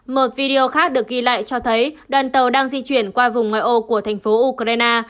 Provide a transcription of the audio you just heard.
một video khác được ghi lại cho thấy đoàn tàu đang di chuyển qua vùng ngoại ô của thành phố ukraine